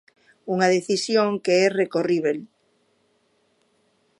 Unha decisión que é recorríbel.